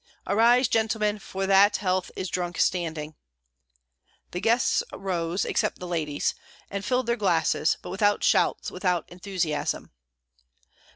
Arise, gentlemen, for that health is drunk standing." The guests rose, except ladies, and filled their glasses, but without shouts, without enthusiasm.